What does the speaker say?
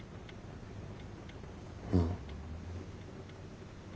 うん。